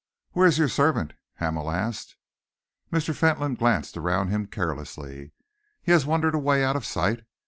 "Where is your servant?" Hamel asked. Mr. Fentolin glanced around him carelessly. "He has wandered away out of sight.